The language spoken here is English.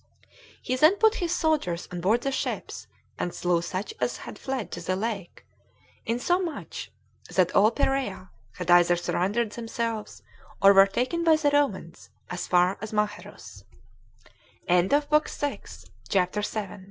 He then put his soldiers on board the ships, and slew such as had fled to the lake, insomuch that all Perea had either surrendered themselves, or were taken by the Romans, as far as Machaerus. CHAPTER 8. How